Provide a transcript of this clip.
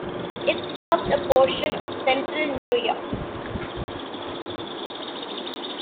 It served a portion of central New York.